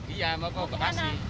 iya mau ke bekasi